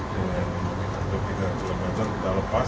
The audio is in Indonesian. kalau kita belum mencapai kita lepas